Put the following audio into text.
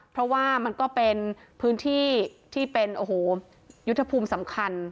เพราะว่ามันก็เป็นพื้นที่ที่เป็นโอ้โหยุทธภูมิสำคัญ